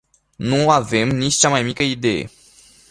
Nu avem nici cea mai mică idee.